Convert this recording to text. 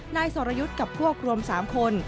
นายสรยุทธ์กับพวกรวม๓คน